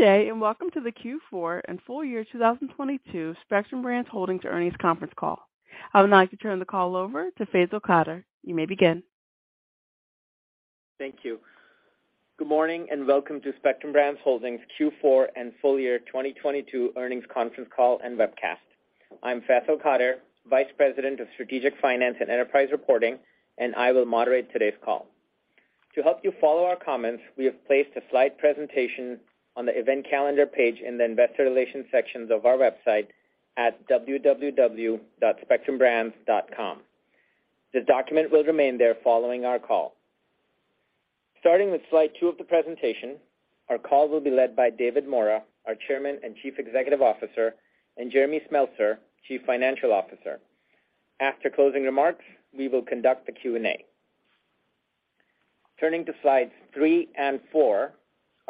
Good day, and welcome to the Q4 and full year 2022 Spectrum Brands Holdings earnings conference call. I would now like to turn the call over to Faisal Qadir. You may begin. Thank you. Good morning, and welcome to Spectrum Brands Holdings Q4 and full year 2022 earnings conference call and webcast. I'm Faisal Qadir, Vice President of Strategic Finance and Enterprise Reporting, and I will moderate today's call. To help you follow our comments, we have placed a slide presentation on the event calendar page in the Investor Relations sections of our website at www.spectrumbrands.com. The document will remain there following our call. Starting with slide two of the presentation, our call will be led by David Maura, our Chairman and Chief Executive Officer, and Jeremy Smeltser, Chief Financial Officer. After closing remarks, we will conduct the Q&A. Turning to slides three and four,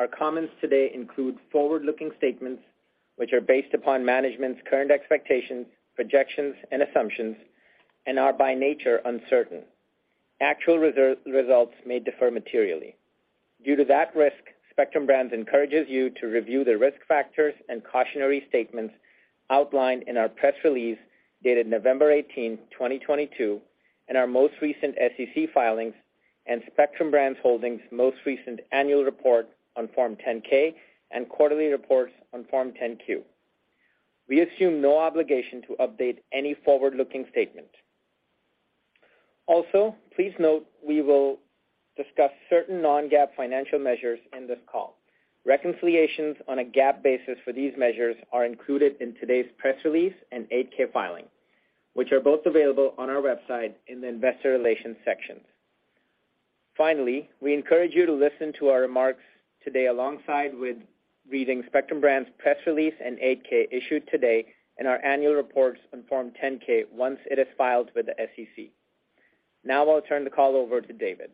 our comments today include forward-looking statements which are based upon management's current expectations, projections, and assumptions and are by nature uncertain. Actual results may differ materially. Due to that risk, Spectrum Brands encourages you to review the risk factors and cautionary statements outlined in our press release dated November 18th, 2022, and our most recent SEC filings and Spectrum Brands Holdings' most recent annual report on Form 10-K and quarterly reports on Form 10-Q. We assume no obligation to update any forward-looking statement. Also, please note we will discuss certain non-GAAP financial measures in this call. Reconciliations on a GAAP basis for these measures are included in today's press release and 8-K filing, which are both available on our website in the Investor Relations sections. Finally, we encourage you to listen to our remarks today alongside with reading Spectrum Brands press release and 8-K issued today in our annual reports on Form 10-K once it is filed with the SEC. Now I'll turn the call over to David.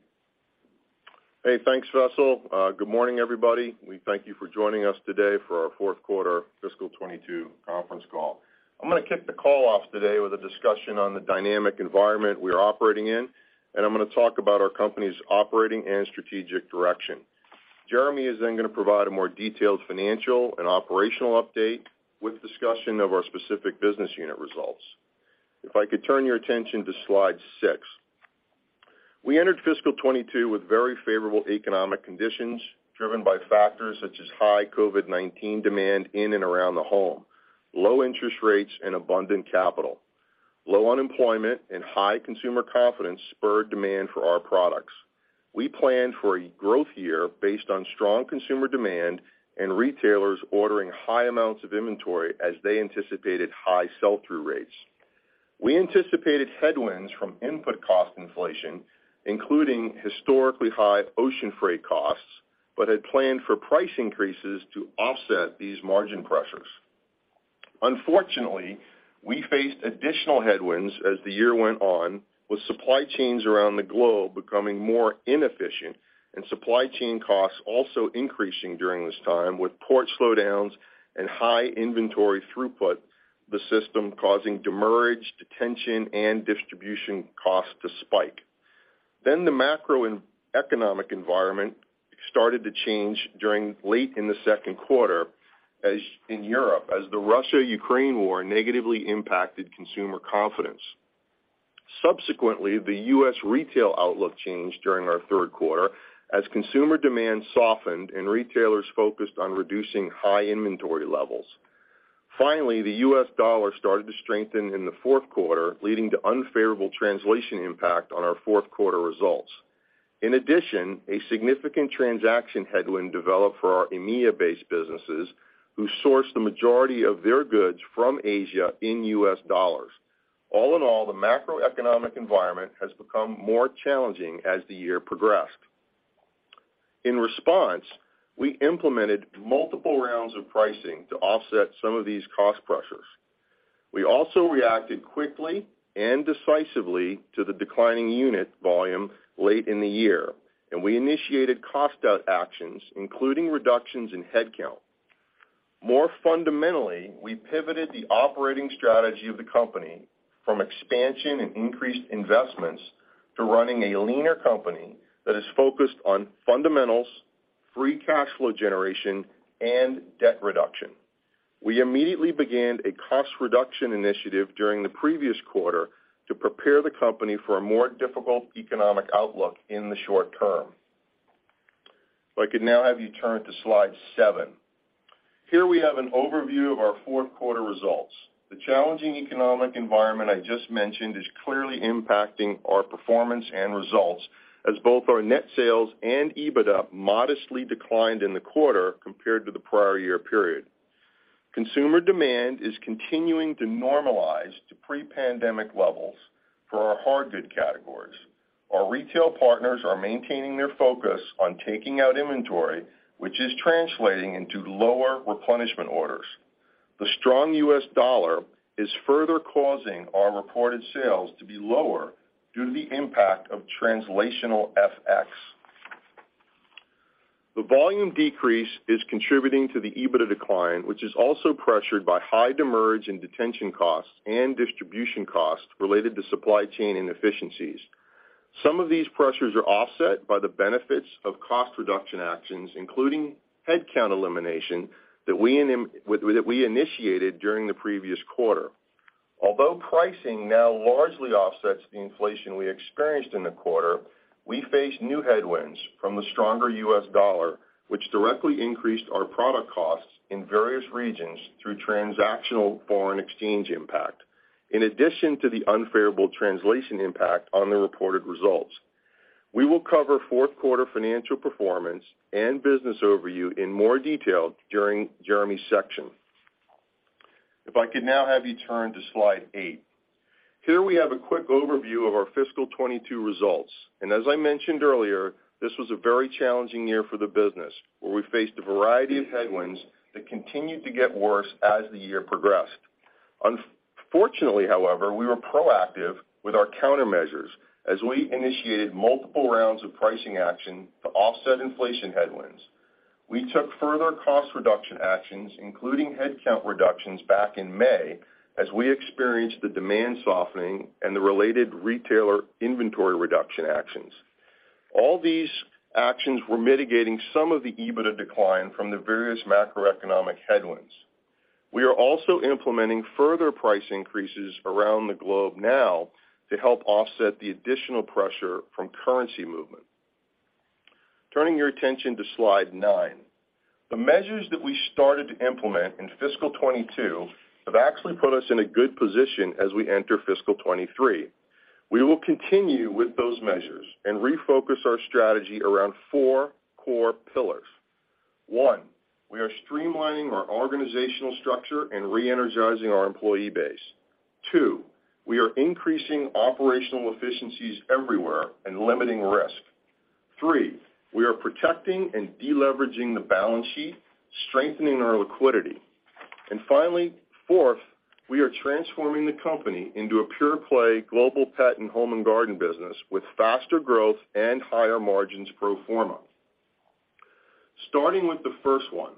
Hey, thanks, Faisal. Good morning, everybody. We thank you for joining us today for our fourth quarter fiscal 2022 conference call. I'm gonna kick the call off today with a discussion on the dynamic environment we are operating in, and I'm gonna talk about our company's operating and strategic direction. Jeremy is then gonna provide a more detailed financial and operational update with discussion of our specific business unit results. If I could turn your attention to slide six. We entered fiscal 2022 with very favorable economic conditions driven by factors such as high COVID-19 demand in and around the home, low interest rates, and abundant capital. Low unemployment and high consumer confidence spurred demand for our products. We planned for a growth year based on strong consumer demand and retailers ordering high amounts of inventory as they anticipated high sell-through rates. We anticipated headwinds from input cost inflation, including historically high ocean freight costs, but had planned for price increases to offset these margin pressures. Unfortunately, we faced additional headwinds as the year went on, with supply chains around the globe becoming more inefficient and supply chain costs also increasing during this time, with port slowdowns and high inventory throughout the system, causing demurrage, detention, and distribution costs to spike. The macroeconomic environment started to change during late in the second quarter in Europe, as the Russia-Ukraine war negatively impacted consumer confidence. Subsequently, the U.S. retail outlook changed during our third quarter as consumer demand softened and retailers focused on reducing high inventory levels. Finally, the U.S. dollar started to strengthen in the fourth quarter, leading to unfavorable translation impact on our fourth quarter results. In addition, a significant transaction headwind developed for our EMEIA-based businesses who sourced the majority of their goods from Asia in U.S. dollars. All in all, the macroeconomic environment has become more challenging as the year progressed. In response, we implemented multiple rounds of pricing to offset some of these cost pressures. We also reacted quickly and decisively to the declining unit volume late in the year, and we initiated cost out actions, including reductions in headcount. More fundamentally, we pivoted the operating strategy of the company from expansion and increased investments to running a leaner company that is focused on fundamentals, free cash flow generation, and debt reduction. We immediately began a cost reduction initiative during the previous quarter to prepare the company for a more difficult economic outlook in the short term. If I could now have you turn to slide seven. Here we have an overview of our fourth quarter results. The challenging economic environment I just mentioned is clearly impacting our performance and results as both our net sales and EBITDA modestly declined in the quarter compared to the prior year period. Consumer demand is continuing to normalize to pre-pandemic levels for our hard good categories. Our retail partners are maintaining their focus on taking out inventory, which is translating into lower replenishment orders. The strong U.S. dollar is further causing our reported sales to be lower due to the impact of translational FX. The volume decrease is contributing to the EBITDA decline, which is also pressured by high demurrage and detention costs and distribution costs related to supply chain inefficiencies. Some of these pressures are offset by the benefits of cost reduction actions, including headcount elimination that we initiated during the previous quarter. Although pricing now largely offsets the inflation we experienced in the quarter, we face new headwinds from the stronger U.S. dollar, which directly increased our product costs in various regions through transactional foreign exchange impact, in addition to the unfavorable translation impact on the reported results. We will cover fourth quarter financial performance and business overview in more detail during Jeremy's section. If I could now have you turn to slide 8. Here we have a quick overview of our fiscal 2022 results. As I mentioned earlier, this was a very challenging year for the business, where we faced a variety of headwinds that continued to get worse as the year progressed. Unfortunately, however, we were proactive with our countermeasures as we initiated multiple rounds of pricing action to offset inflation headwinds. We took further cost reduction actions, including headcount reductions back in May, as we experienced the demand softening and the related retailer inventory reduction actions. All these actions were mitigating some of the EBITDA decline from the various macroeconomic headwinds. We are also implementing further price increases around the globe now to help offset the additional pressure from currency movement. Turning your attention to slide nine. The measures that we started to implement in fiscal 2022 have actually put us in a good position as we enter fiscal 2023. We will continue with those measures and refocus our strategy around four core pillars. One, we are streamlining our organizational structure and reenergizing our employee base. Two, we are increasing operational efficiencies everywhere and limiting risk. Three, we are protecting and deleveraging the balance sheet, strengthening our liquidity. Finally, fourth, we are transforming the company into a pure-play Global Pet and Home & Garden business with faster growth and higher margins pro forma. Starting with the first one,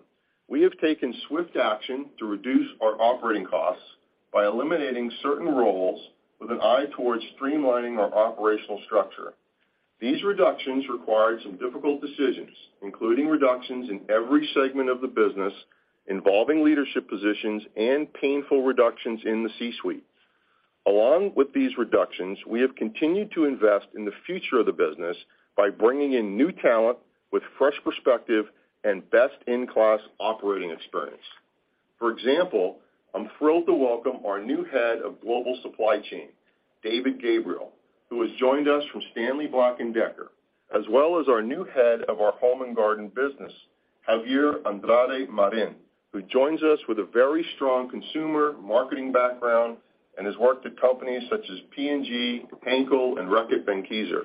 we have taken swift action to reduce our operating costs by eliminating certain roles with an eye towards streamlining our operational structure. These reductions required some difficult decisions, including reductions in every segment of the business, involving leadership positions and painful reductions in the C-suite. Along with these reductions, we have continued to invest in the future of the business by bringing in new talent with fresh perspective and best-in-class operating experience. For example, I'm thrilled to welcome our new Head of Global Supply Chain, David Gabriel, who has joined us from Stanley Black & Decker, as well as our new Head of our Home & Garden business, Javier Andrade-Marin, who joins us with a very strong consumer marketing background and has worked at companies such as P&G, Henkel, and Reckitt Benckiser.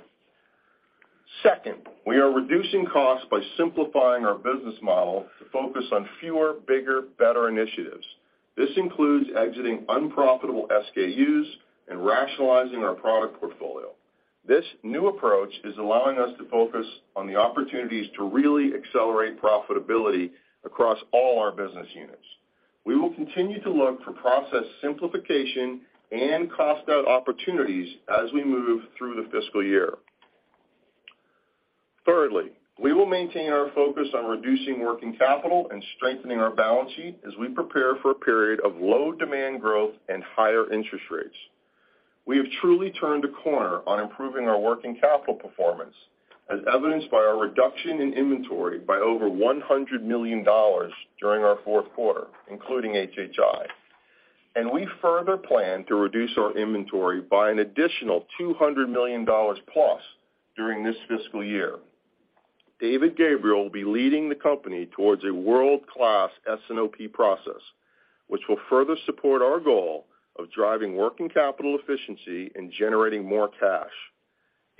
Second, we are reducing costs by simplifying our business model to focus on fewer, bigger, better initiatives. This includes exiting unprofitable SKUs and rationalizing our product portfolio. This new approach is allowing us to focus on the opportunities to really accelerate profitability across all our business units. We will continue to look for process simplification and cost out opportunities as we move through the fiscal year. Thirdly, we will maintain our focus on reducing working capital and strengthening our balance sheet as we prepare for a period of low demand growth and higher interest rates. We have truly turned a corner on improving our working capital performance, as evidenced by our reduction in inventory by over $100 million during our fourth quarter, including HHI. We further plan to reduce our inventory by an additional $200 million+ during this fiscal year. David Gabriel will be leading the company towards a world-class S&OP process, which will further support our goal of driving working capital efficiency and generating more cash.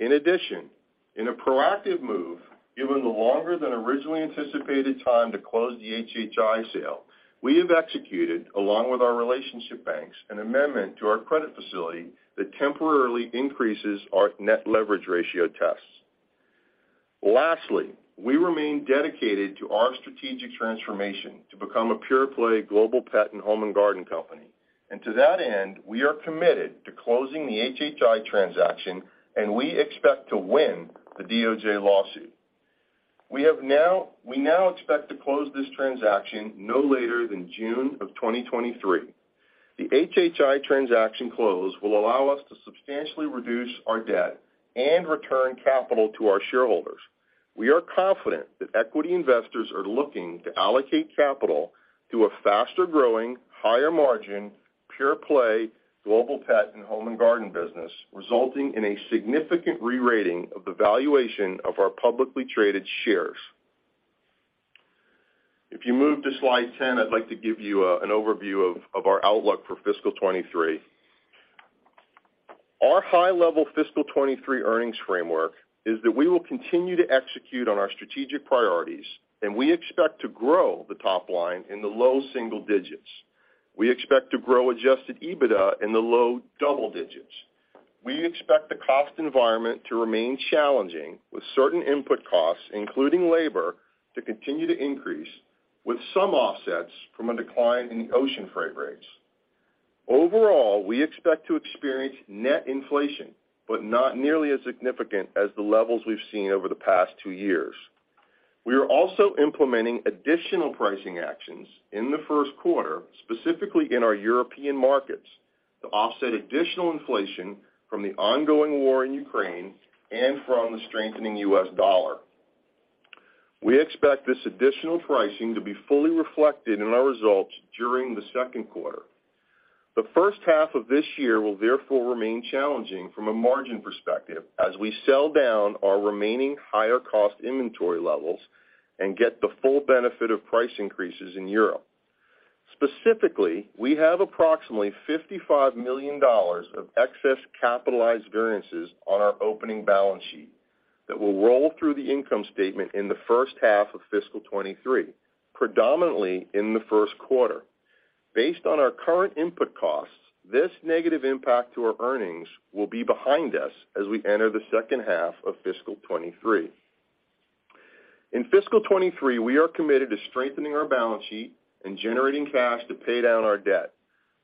In addition, in a proactive move, given the longer than originally anticipated time to close the HHI sale, we have executed, along with our relationship banks, an amendment to our credit facility that temporarily increases our net leverage ratio tests. Lastly, we remain dedicated to our strategic transformation to become a pure-play global pet and home and garden company. To that end, we are committed to closing the HHI transaction, and we expect to win the DOJ lawsuit. We now expect to close this transaction no later than June of 2023. The HHI transaction close will allow us to substantially reduce our debt and return capital to our shareholders. We are confident that equity investors are looking to allocate capital to a faster-growing, higher-margin, pure-play global pet and home and garden business, resulting in a significant re-rating of the valuation of our publicly traded shares. If you move to slide 10, I'd like to give you an overview of our outlook for fiscal 2023. Our high-level fiscal 2023 earnings framework is that we will continue to execute on our strategic priorities, and we expect to grow the top line in the low single digits. We expect to grow adjusted EBITDA in the low double digits. We expect the cost environment to remain challenging, with certain input costs, including labor, to continue to increase, with some offsets from a decline in ocean freight rates. Overall, we expect to experience net inflation, but not nearly as significant as the levels we've seen over the past two years. We are also implementing additional pricing actions in the first quarter, specifically in our European markets, to offset additional inflation from the ongoing war in Ukraine and from the strengthening U.S. dollar. We expect this additional pricing to be fully reflected in our results during the second quarter. The first half of this year will therefore remain challenging from a margin perspective as we sell down our remaining higher cost inventory levels and get the full benefit of price increases in Europe. Specifically, we have approximately $55 million of excess capitalized variances on our opening balance sheet that will roll through the income statement in the first half of fiscal 2023, predominantly in the first quarter. Based on our current input costs, this negative impact to our earnings will be behind us as we enter the second half of fiscal 2023. In fiscal 2023, we are committed to strengthening our balance sheet and generating cash to pay down our debt.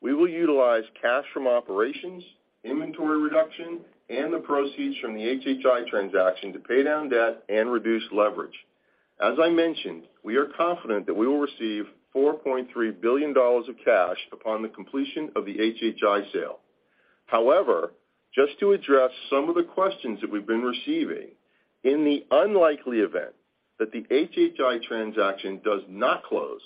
We will utilize cash from operations, inventory reduction, and the proceeds from the HHI transaction to pay down debt and reduce leverage. As I mentioned, we are confident that we will receive $4.3 billion of cash upon the completion of the HHI sale. However, just to address some of the questions that we've been receiving, in the unlikely event that the HHI transaction does not close,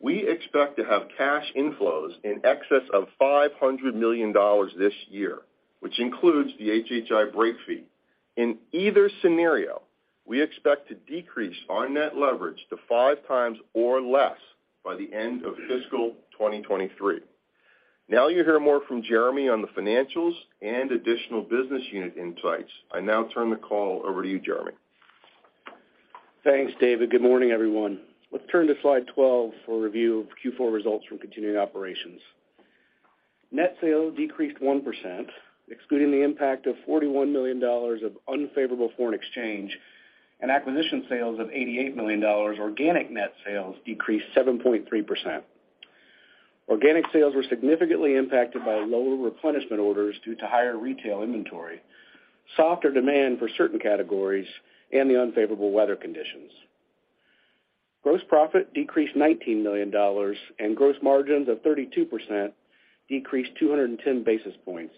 we expect to have cash inflows in excess of $500 million this year, which includes the HHI break fee. In either scenario, we expect to decrease our net leverage to five times or less by the end of fiscal 2023. Now you'll hear more from Jeremy on the financials and additional business unit insights. I now turn the call over to you, Jeremy. Thanks, David. Good morning, everyone. Let's turn to slide 12 for review of Q4 results from continuing operations. Net sales decreased 1%, excluding the impact of $41 million of unfavorable foreign exchange and acquisition sales of $88 million. Organic net sales decreased 7.3%. Organic sales were significantly impacted by lower replenishment orders due to higher retail inventory, softer demand for certain categories, and the unfavorable weather conditions. Gross profit decreased $19 million and gross margins of 32% decreased 210 basis points,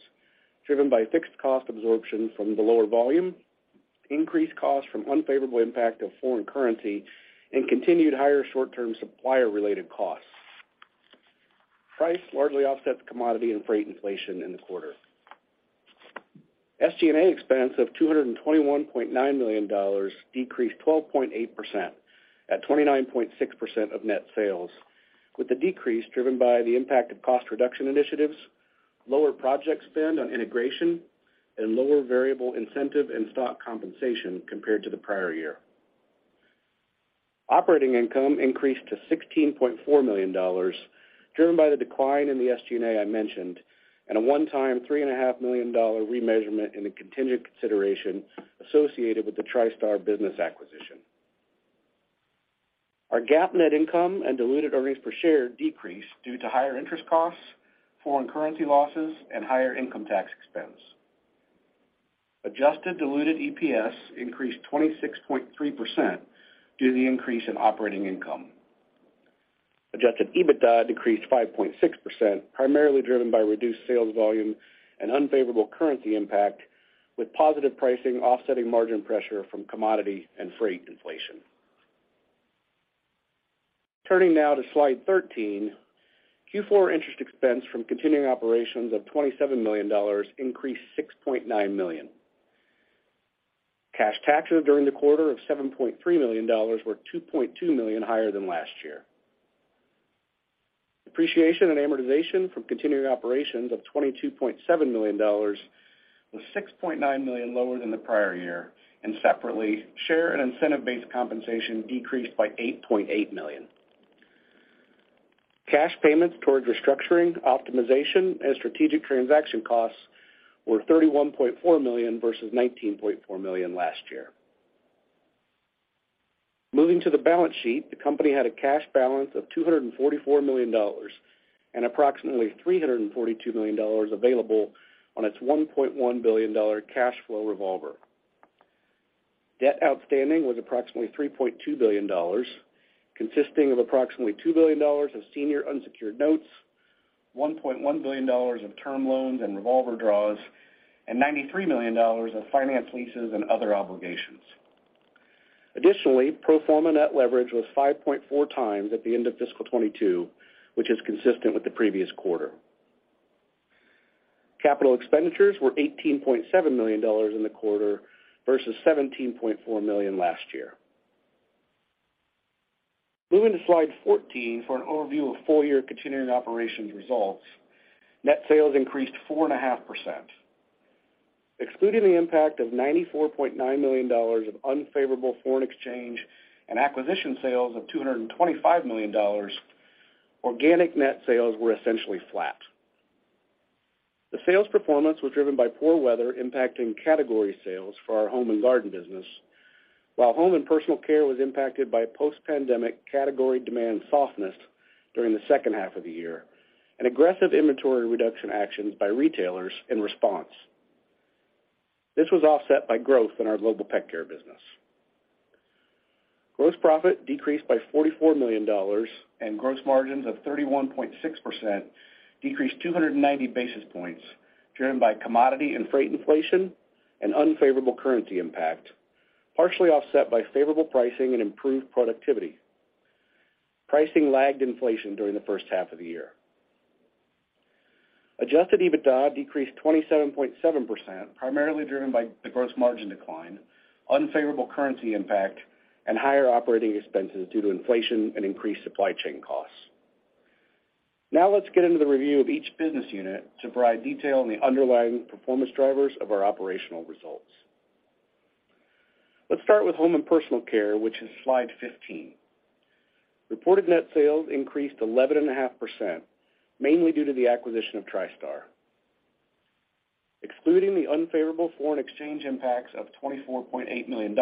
driven by fixed cost absorption from the lower volume, increased costs from unfavorable impact of foreign currency, and continued higher short-term supplier-related costs. Price largely offset the commodity and freight inflation in the quarter. SG&A expense of $221.9 million decreased 12.8% at 29.6% of net sales, with the decrease driven by the impact of cost reduction initiatives, lower project spend on integration, and lower variable incentive and stock compensation compared to the prior year. Operating income increased to $16.4 million, driven by the decline in the SG&A I mentioned and a one-time three and a half million dollar remeasurement in the contingent consideration associated with the Tristar business acquisition. Our GAAP net income and diluted earnings per share decreased due to higher interest costs, foreign currency losses, and higher income tax expense. Adjusted diluted EPS increased 26.3% due to the increase in operating income. Adjusted EBITDA decreased 5.6%, primarily driven by reduced sales volume and unfavorable currency impact, with positive pricing offsetting margin pressure from commodity and freight inflation. Turning now to slide 13. Q4 interest expense from continuing operations of $27 million increased $6.9 million. Cash taxes during the quarter of $7.3 million were $2.2 million higher than last year. Depreciation and amortization from continuing operations of $22.7 million was $6.9 million lower than the prior year, and separately, share and incentive-based compensation decreased by $8.8 million. Cash payments towards restructuring, optimization, and strategic transaction costs were $31.4 million versus $19.4 million last year. Moving to the balance sheet. The company had a cash balance of $244 million and approximately $342 million available on its $1.1 billion cash flow revolve. Debt outstanding was approximately $3.2 billion, consisting of approximately $2 billion of senior unsecured notes, $1.1 billion of term loans and revolver draws, and $93 million of finance leases and other obligations. Additionally, pro forma net leverage was 5.4x at the end of fiscal 2022, which is consistent with the previous quarter. Capital expenditures were $18.7 million in the quarter versus $17.4 million last year. Moving to slide 14 for an overview of full year continuing operations results. Net sales increased 4.5%. Excluding the impact of $94.9 million of unfavorable foreign exchange and acquisition sales of $225 million, organic net sales were essentially flat. The sales performance was driven by poor weather impacting category sales for our Home & Garden business, while Home and Personal Care was impacted by post-pandemic category demand softness during the second half of the year and aggressive inventory reduction actions by retailers in response. This was offset by growth in our Global Pet Care business. Gross profit decreased by $44 million, and gross margins of 31.6% decreased 290 basis points, driven by commodity and freight inflation and unfavorable currency impact, partially offset by favorable pricing and improved productivity. Pricing lagged inflation during the first half of the year. Adjusted EBITDA decreased 27.7%, primarily driven by the gross margin decline, unfavorable currency impact, and higher operating expenses due to inflation and increased supply chain costs. Now let's get into the review of each business unit to provide detail on the underlying performance drivers of our operational results. Let's start with Home and Personal Care, which is slide 15. Reported net sales increased 11.5%, mainly due to the acquisition of Tristar. Excluding the unfavorable foreign exchange impacts of $24.8 million,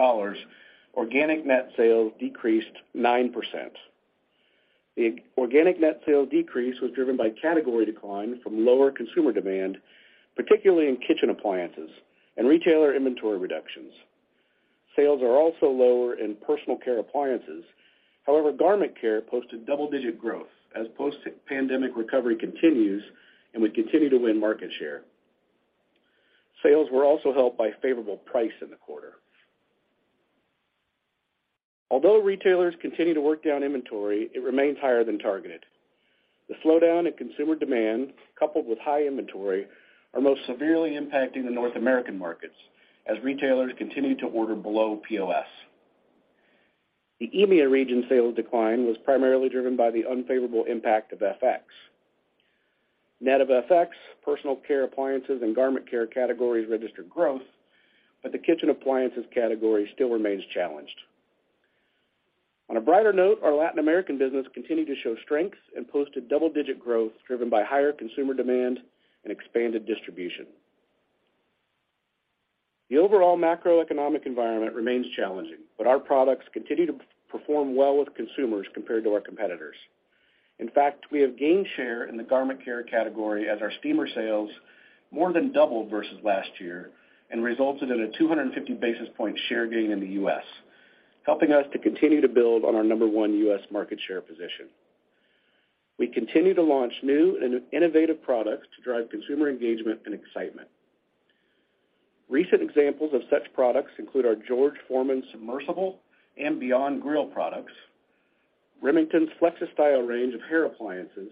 organic net sales decreased 9%. The organic net sales decrease was driven by category decline from lower consumer demand, particularly in kitchen appliances and retailer inventory reductions. Sales are also lower in personal care appliances. However, garment care posted double-digit growth as post-pandemic recovery continues, and we continue to win market share. Sales were also helped by favorable price in the quarter. Although retailers continue to work down inventory, it remains higher than targeted. The slowdown in consumer demand, coupled with high inventory, are most severely impacting the North American markets as retailers continue to order below POS. The EMEA region sales decline was primarily driven by the unfavorable impact of FX. Net of FX, personal care appliances and garment care categories registered growth, but the kitchen appliances category still remains challenged. On a brighter note, our Latin American business continued to show strength and posted double-digit growth driven by higher consumer demand and expanded distribution. The overall macroeconomic environment remains challenging, but our products continue to perform well with consumers compared to our competitors. In fact, we have gained share in the garment care category as our steamer sales more than doubled versus last year and resulted in a 250 basis point share gain in the U.S., helping us to continue to build on our number one U.S. market share position. We continue to launch new and innovative products to drive consumer engagement and excitement. Recent examples of such products include our George Foreman Submersible and Beyond Grill products, Remington's FlexiStyle range of hair appliances,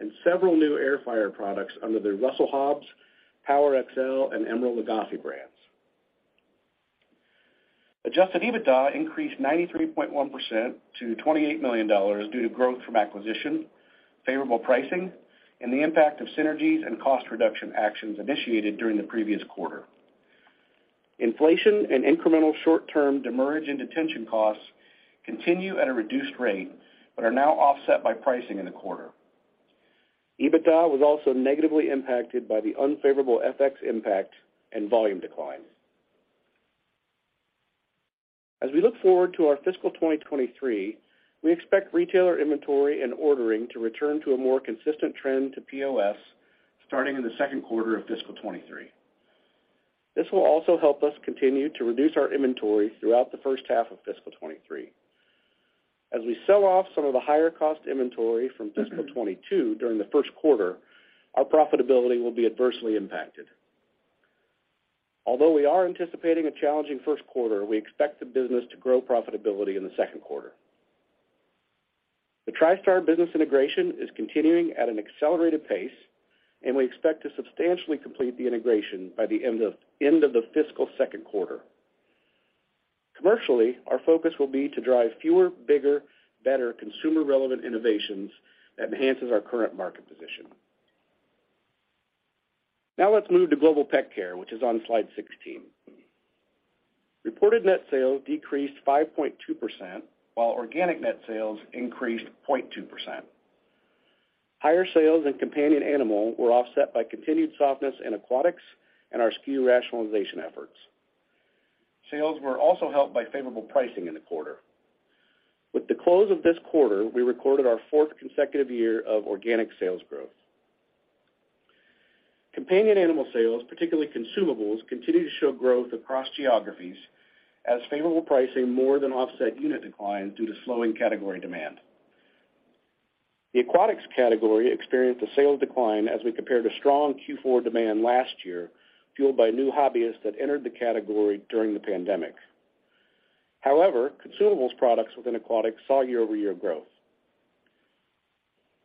and several new Air Fryer products under the Russell Hobbs, PowerXL, and Emeril Lagasse brands. Adjusted EBITDA increased 93.1% to $28 million due to growth from acquisition, favorable pricing, and the impact of synergies and cost reduction actions initiated during the previous quarter. Inflation and incremental short-term demurrage and detention costs continue at a reduced rate, but are now offset by pricing in the quarter. EBITDA was also negatively impacted by the unfavorable FX impact and volume declines. As we look forward to our fiscal 2023, we expect retailer inventory and ordering to return to a more consistent trend to POS starting in the second quarter of fiscal 2023. This will also help us continue to reduce our inventory throughout the first half of fiscal 2023. As we sell off some of the higher cost inventory from fiscal 2022 during the first quarter, our profitability will be adversely impacted. Although we are anticipating a challenging first quarter, we expect the business to grow profitability in the second quarter. The Tristar business integration is continuing at an accelerated pace, and we expect to substantially complete the integration by the end of the fiscal second quarter. Commercially, our focus will be to drive fewer, bigger, better consumer-relevant innovations that enhances our current market position. Now let's move to Global Pet Care, which is on slide 16. Reported net sales decreased 5.2%, while organic net sales increased 0.2%. Higher sales in companion animal were offset by continued softness in aquatics and our SKU rationalization efforts. Sales were also helped by favorable pricing in the quarter. With the close of this quarter, we recorded our fourth consecutive year of organic sales growth. Companion animal sales, particularly consumables, continue to show growth across geographies as favorable pricing more than offset unit decline due to slowing category demand. The aquatics category experienced a sales decline as we compared a strong Q4 demand last year, fueled by new hobbyists that entered the category during the pandemic. However, consumables products within aquatics saw year-over-year growth.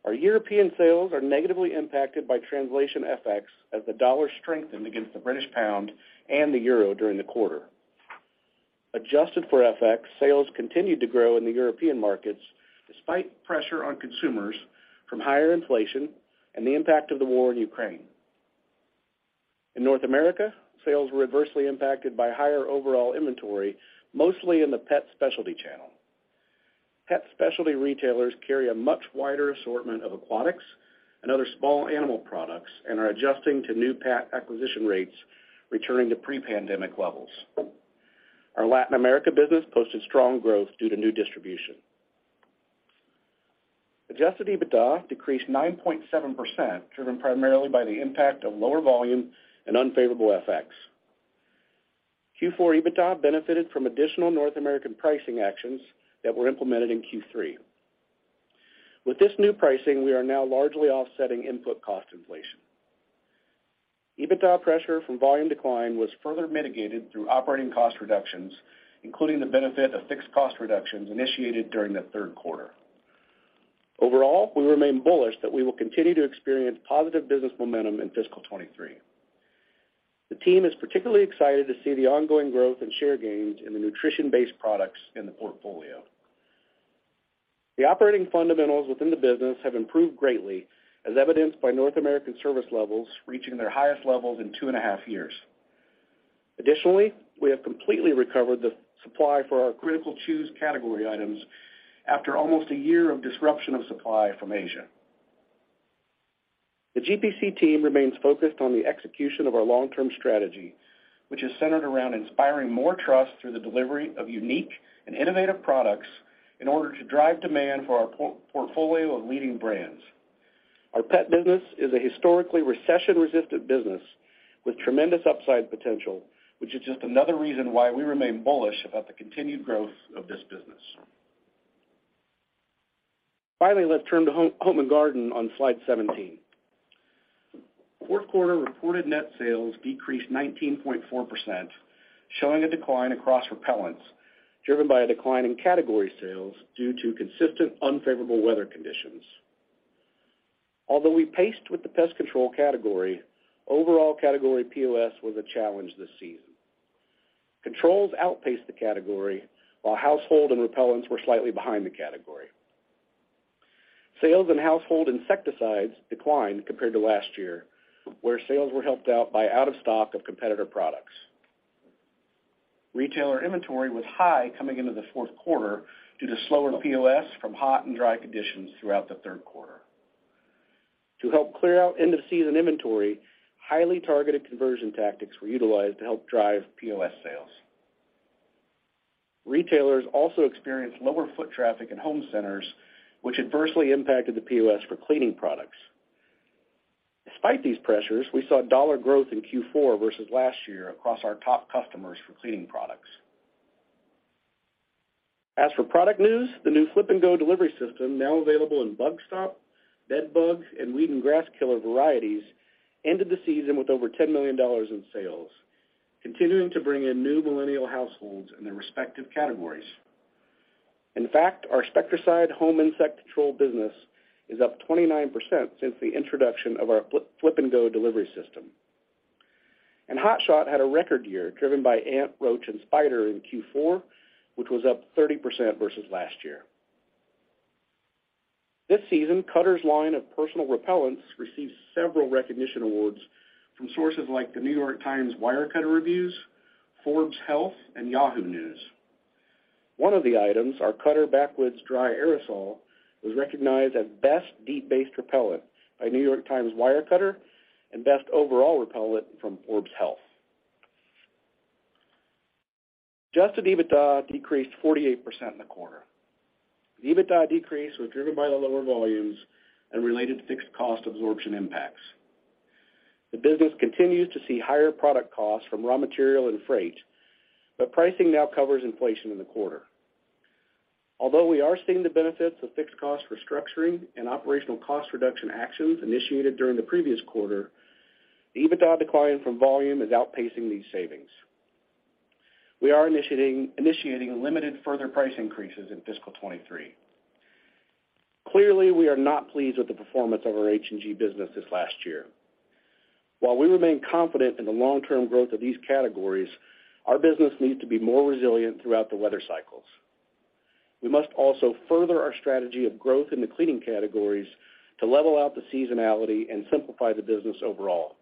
Our European sales are negatively impacted by translation FX as the dollar strengthened against the British pound and the euro during the quarter. Adjusted for FX, sales continued to grow in the European markets despite pressure on consumers from higher inflation and the impact of the war in Ukraine. In North America, sales were adversely impacted by higher overall inventory, mostly in the pet specialty channel. Pet specialty retailers carry a much wider assortment of aquatics and other small animal products and are adjusting to new pet acquisition rates returning to pre-pandemic levels. Our Latin America business posted strong growth due to new distribution. Adjusted EBITDA decreased 9.7%, driven primarily by the impact of lower volume and unfavorable FX. Q4 EBITDA benefited from additional North American pricing actions that were implemented in Q3. With this new pricing, we are now largely offsetting input cost inflation. EBITDA pressure from volume decline was further mitigated through operating cost reductions, including the benefit of fixed cost reductions initiated during the third quarter. Overall, we remain bullish that we will continue to experience positive business momentum in fiscal 2023. The team is particularly excited to see the ongoing growth and share gains in the nutrition-based products in the portfolio. The operating fundamentals within the business have improved greatly, as evidenced by North American service levels reaching their highest levels in two and a half years. Additionally, we have completely recovered the supply for our critical chews category items after almost a year of disruption of supply from Asia. The GPC team remains focused on the execution of our long-term strategy, which is centered around inspiring more trust through the delivery of unique and innovative products in order to drive demand for our portfolio of leading brands. Our pet business is a historically recession-resistant business with tremendous upside potential, which is just another reason why we remain bullish about the continued growth of this business. Finally, let's turn to Home & Garden on slide 17. Fourth quarter reported net sales decreased 19.4%, showing a decline across repellents, driven by a decline in category sales due to consistent unfavorable weather conditions. Although we paced with the pest control category, overall category POS was a challenge this season. Controls outpaced the category, while household and repellents were slightly behind the category. Sales in household insecticides declined compared to last year, where sales were helped out by out of stock of competitor products. Retailer inventory was high coming into the fourth quarter due to slower POS from hot and dry conditions throughout the third quarter. To help clear out end-of-season inventory, highly targeted conversion tactics were utilized to help drive POS sales. Retailers also experienced lower foot traffic in home centers, which adversely impacted the POS for cleaning products. Despite these pressures, we saw dollar growth in Q4 versus last year across our top customers for cleaning products. As for product news, the new Flip & Go delivery system, now available in Bug Stop, Bed Bugs, and Weed & Grass Killer varieties, ended the season with over $10 million in sales, continuing to bring in new millennial households in their respective categories. In fact, our Spectracide home insect control business is up 29% since the introduction of our Flip & Go delivery system. Hot Shot had a record year, driven by ant, roach, and spider in Q4, which was up 30% versus last year. This season, Cutter's line of personal repellents received several recognition awards from sources like the New York Times Wirecutter Reviews, Forbes Health, and Yahoo News. One of the items, our Cutter Backwoods Dry Aerosol, was recognized as best DEET-based repellent by New York Times Wirecutter and best overall repellent from Forbes Health. Adjusted EBITDA decreased 48% in the quarter. The EBITDA decrease was driven by the lower volumes and related fixed cost absorption impacts. The business continues to see higher product costs from raw material and freight, but pricing now covers inflation in the quarter. Although we are seeing the benefits of fixed cost restructuring and operational cost reduction actions initiated during the previous quarter, EBITDA decline from volume is outpacing these savings. We are initiating limited further price increases in fiscal 2023. Clearly, we are not pleased with the performance of our H&G business this last year. While we remain confident in the long-term growth of these categories, our business needs to be more resilient throughout the weather cycles. We must also further our strategy of growth in the cleaning categories to level out the seasonality and simplify the business overall.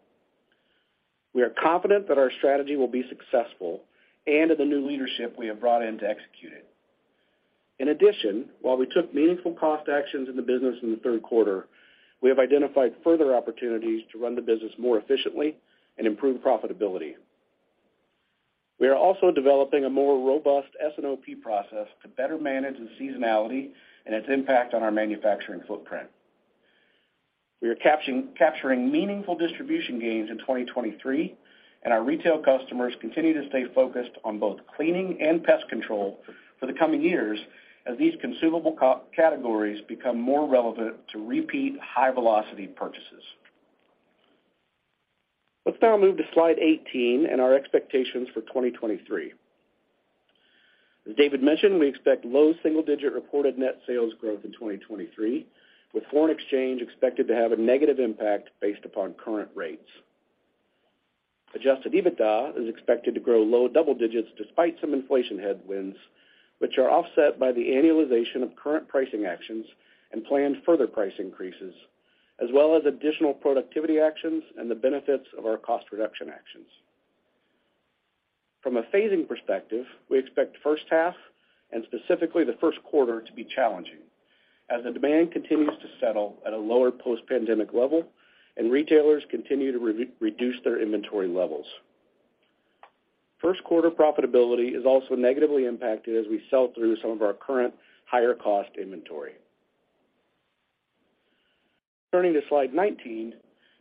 We are confident that our strategy will be successful and in the new leadership we have brought in to execute it. In addition, while we took meaningful cost actions in the business in the third quarter, we have identified further opportunities to run the business more efficiently and improve profitability. We are also developing a more robust S&OP process to better manage the seasonality and its impact on our manufacturing footprint. We are capturing meaningful distribution gains in 2023, and our retail customers continue to stay focused on both cleaning and pest control for the coming years as these consumable core categories become more relevant to repeat high-velocity purchases. Let's now move to slide 18 and our expectations for 2023. As David mentioned, we expect low single-digit reported net sales growth in 2023, with foreign exchange expected to have a negative impact based upon current rates. Adjusted EBITDA is expected to grow low double digits despite some inflation headwinds, which are offset by the annualization of current pricing actions and planned further price increases, as well as additional productivity actions and the benefits of our cost reduction actions. From a phasing perspective, we expect first half and specifically the first quarter to be challenging as the demand continues to settle at a lower post-pandemic level and retailers continue to re-reduce their inventory levels. First quarter profitability is also negatively impacted as we sell through some of our current higher cost inventory. Turning to slide 19,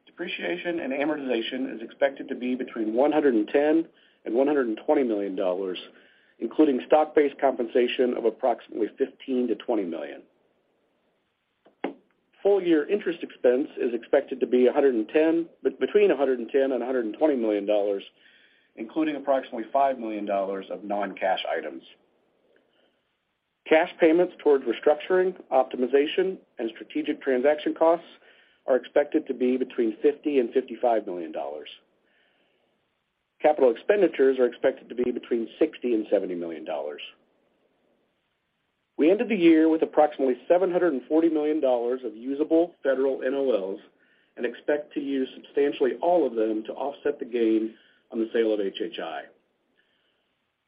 depreciation and amortization is expected to be between $110 million and $120 million, including stock-based compensation of approximately $15 million-$20 million. Full year interest expense is expected to be between $110 million and $120 million, including approximately $5 million of non-cash items. Cash payments towards restructuring, optimization, and strategic transaction costs are expected to be between $50 million and $55 million. Capital expenditures are expected to be between $60 million and $70 million. We ended the year with approximately $740 million of usable federal NOLs and expect to use substantially all of them to offset the gain on the sale of HHI.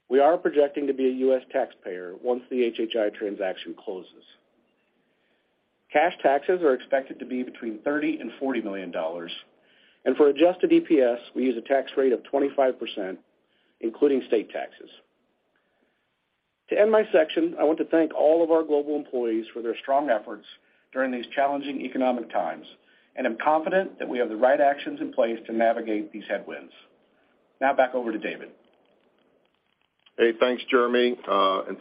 We are projecting to be a U.S. taxpayer once the HHI transaction closes. Cash taxes are expected to be between $30 million and $40 million. For adjusted EPS, we use a tax rate of 25%, including state taxes. To end my section, I want to thank all of our global employees for their strong efforts during these challenging economic times, and I'm confident that we have the right actions in place to navigate these headwinds. Now back over to David. Hey, thanks, Jeremy.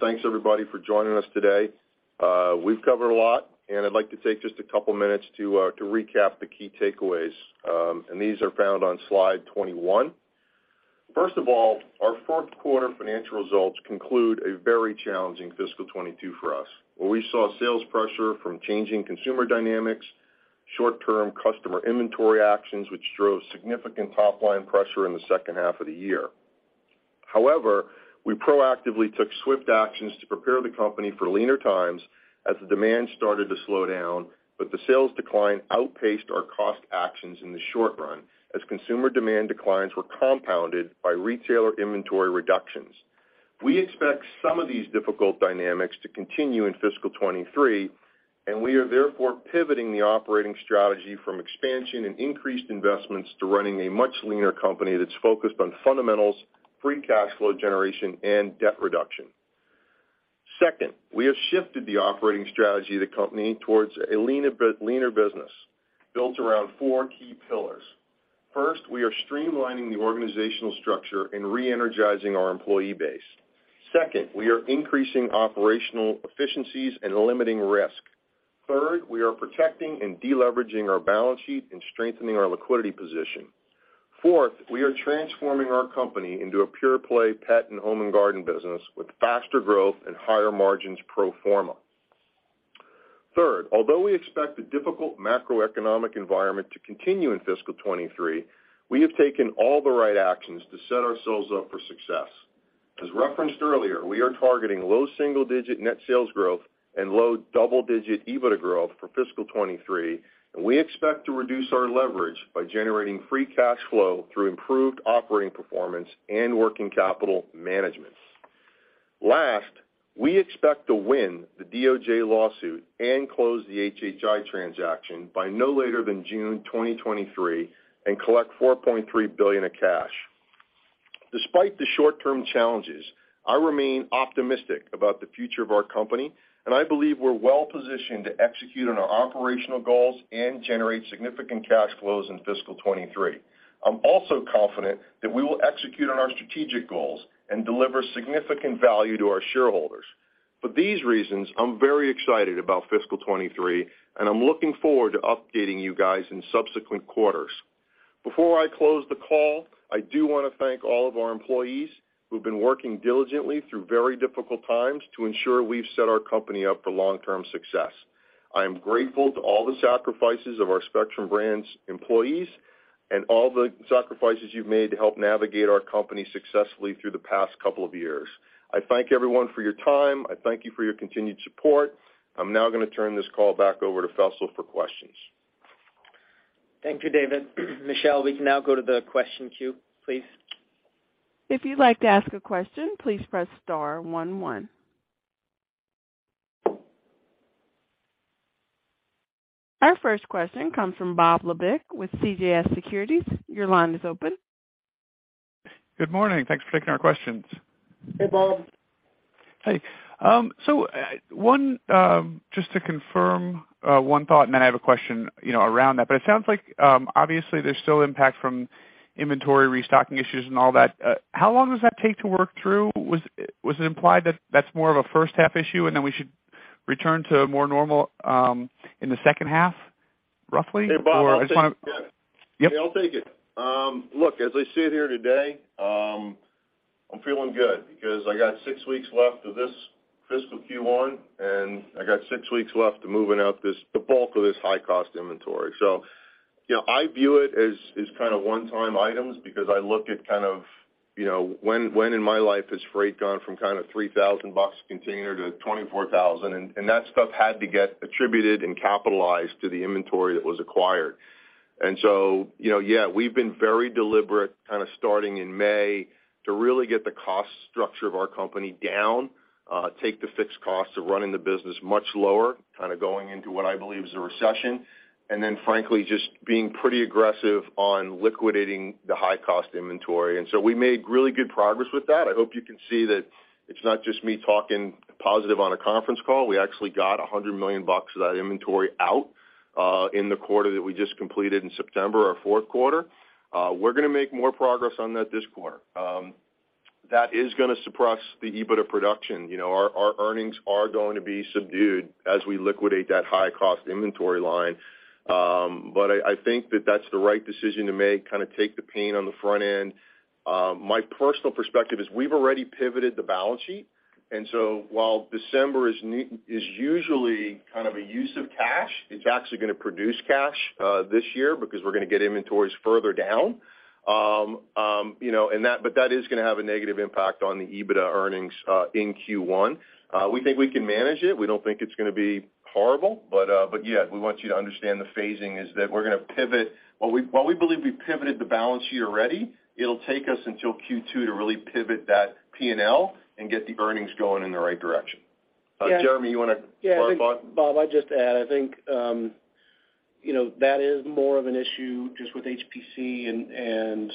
Thanks everybody for joining us today. We've covered a lot, and I'd like to take just a couple minutes to recap the key takeaways, and these are found on slide 21. First of all, our fourth quarter financial results conclude a very challenging fiscal 2022 for us, where we saw sales pressure from changing consumer dynamics, short-term customer inventory actions, which drove significant top-line pressure in the second half of the year. However, we proactively took swift actions to prepare the company for leaner times as the demand started to slow down, but the sales decline outpaced our cost actions in the short run as consumer demand declines were compounded by retailer inventory reductions. We expect some of these difficult dynamics to continue in fiscal 2023, and we are therefore pivoting the operating strategy from expansion and increased investments to running a much leaner company that's focused on fundamentals, free cash flow generation, and debt reduction. Second, we have shifted the operating strategy of the company towards a leaner business built around four key pillars. First, we are streamlining the organizational structure and re-energizing our employee base. Second, we are increasing operational efficiencies and limiting risk. Third, we are protecting and deleveraging our balance sheet and strengthening our liquidity position. Fourth, we are transforming our company into a pure play Pet and Home & Garden business with faster growth and higher margins pro forma. Third, although we expect the difficult macroeconomic environment to continue in fiscal 2023, we have taken all the right actions to set ourselves up for success. As referenced earlier, we are targeting low single-digit net sales growth and low double-digit EBITDA growth for fiscal 2023, and we expect to reduce our leverage by generating free cash flow through improved operating performance and working capital management. Last, we expect to win the DOJ lawsuit and close the HHI transaction by no later than June 2023 and collect $4.3 billion of cash. Despite the short-term challenges, I remain optimistic about the future of our company, and I believe we're well positioned to execute on our operational goals and generate significant cash flows in fiscal 2023. I'm also confident that we will execute on our strategic goals and deliver significant value to our shareholders. For these reasons, I'm very excited about fiscal 2023, and I'm looking forward to updating you guys in subsequent quarters. Before I close the call, I do wanna thank all of our employees who've been working diligently through very difficult times to ensure we've set our company up for long-term success. I am grateful to all the sacrifices of our Spectrum Brands employees and all the sacrifices you've made to help navigate our company successfully through the past couple of years. I thank everyone for your time. I thank you for your continued support. I'm now gonna turn this call back over to Faisal for questions. Thank you, David. Michelle, we can now go to the question queue, please. If you'd like to ask a question, please press star one one. Our first question comes from Bob Labick with CJS Securities. Your line is open. Good morning. Thanks for taking our questions. Hey, Bob. Hey. Just to confirm one thought, and then I have a question, you know, around that. It sounds like, obviously, there's still impact from inventory restocking issues and all that. How long does that take to work through? Was it implied that that's more of a first half issue, and then we should return to more normal in the second half, roughly? Hey, Bob. I'll take it, yeah. Yep. Yeah, I'll take it. Look, as I sit here today, I'm feeling good because I got six weeks left of this fiscal Q1, and I got six weeks left to moving out the bulk of this high-cost inventory. You know, I view it as kind of one-time items because I look at kind of, you know, when in my life has freight gone from kind of $3,000 a container to $24,000? That stuff had to get attributed and capitalized to the inventory that was acquired. You know, yeah, we've been very deliberate kind of starting in May to really get the cost structure of our company down, take the fixed costs of running the business much lower, kind of going into what I believe is a recession. And then frankly, just being pretty aggressive on liquidating the high-cost inventory. And so we made really good progress with that. I hope you can see that it's not just me talking positive on a conference call. We actually got a hundred million bucks of that inventory out, uh, in the quarter that we just completed in September, our fourth quarter. Uh, we're gonna make more progress on that this quarter. Um, that is gonna suppress the EBITDA production. You know, our earnings are going to be subdued as we liquidate that high-cost inventory line. Um, but I think that that's the right decision to make, kind of take the pain on the front end. Um, my personal perspective is we've already pivoted the balance sheet. While December is usually kind of a use of cash, it's actually gonna produce cash this year because we're gonna get inventories further down. You know, that is gonna have a negative impact on the EBITDA earnings in Q1. We think we can manage it. We don't think it's gonna be horrible, but yeah, we want you to understand the phasing is that we're gonna pivot. While we believe we've pivoted the balance sheet already, it'll take us until Q2 to really pivot that P&L and get the earnings going in the right direction. Yeah. Jeremy, you wanna elaborate? Yeah, I think, Bob, I'd just add, I think, you know, that is more of an issue just with HPC and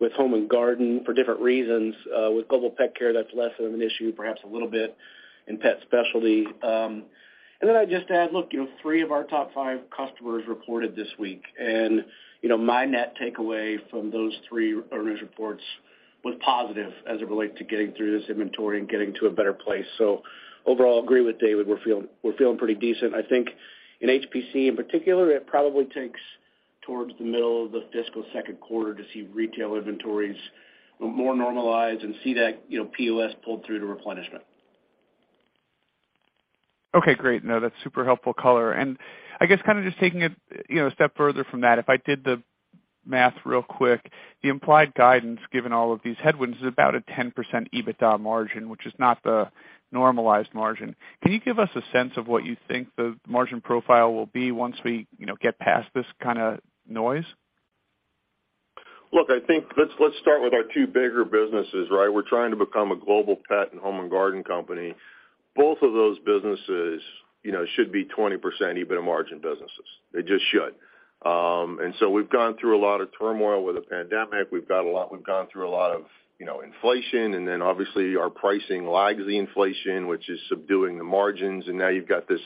with Home & Garden for different reasons. With Global Pet Care, that's less of an issue, perhaps a little bit in pet specialty. I'd just add, look, you know, three of our top five customers reported this week, and, you know, my net takeaway from those three earnings reports was positive as it relates to getting through this inventory and getting to a better place. Overall, I agree with David, we're feeling pretty decent. I think in HPC, in particular, it probably takes towards the middle of the fiscal second quarter to see retail inventories more normalized and see that, you know, POS pulled through to replenishment. Okay, great. No, that's super helpful color. I guess kind of just taking it, you know, a step further from that, if I did the math real quick, the implied guidance, given all of these headwinds, is about a 10% EBITDA margin, which is not the normalized margin. Can you give us a sense of what you think the margin profile will be once we, you know, get past this kind of noise? Look, I think let's start with our two bigger businesses, right? We're trying to become a Global Pet and Home & Garden company. Both of those businesses, you know, should be 20% EBITDA margin businesses. They just should. We've gone through a lot of turmoil with the pandemic. We've gone through a lot of, you know, inflation, and then obviously our pricing lags the inflation, which is subduing the margins. Now you've got this,